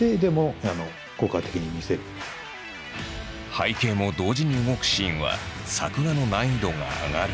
背景も同時に動くシーンは作画の難易度が上がる。